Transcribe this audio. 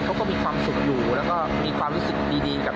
เป็นช่วงเวลาสั้นนะครับ